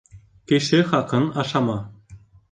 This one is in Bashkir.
Кеше хаҡын ашама.